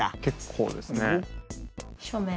結構ですね。